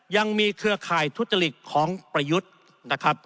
ยังมีเครือคายทุจริกของประยุทธ์